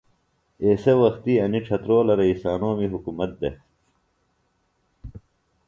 ایسےۡ وختی انیۡ ڇھترولہ رئیسانومی حُکومت دےۡ